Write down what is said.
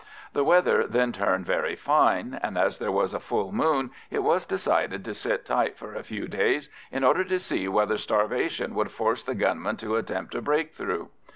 The weather then turned very fine, and as there was a full moon, it was decided to sit tight for a few days in order to see whether starvation would force the gunmen to attempt a break through.